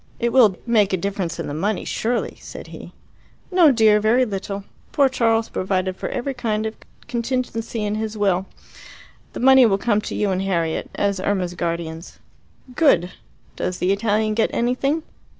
"It will make a difference in the money, surely," said he. "No, dear; very little. Poor Charles provided for every kind of contingency in his will. The money will come to you and Harriet, as Irma's guardians." "Good. Does the Italian get anything?"